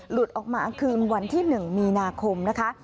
หลุดออกมาคืนวันที่๑มีนาคมนะคะ